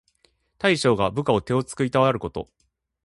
大将が部下を手あつくいたわること。